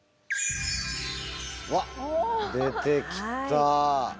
うわっ出てきた。